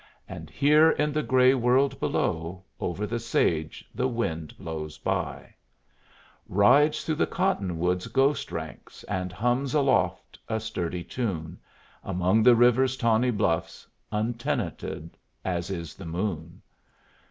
And here in the gray world below Over the sage the wind blows by; Rides through the cotton woods' ghost ranks, And hums aloft a sturdy tune Among the river's tawny bluffs, Untenanted as is the moon.